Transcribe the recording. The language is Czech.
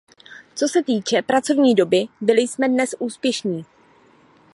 Co se týče pracovní doby, byli jsme dnes úspěšní.